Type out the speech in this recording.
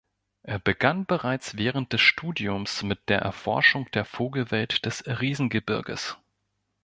Er begann bereits während des Studiums mit der Erforschung der Vogelwelt des Riesengebirges.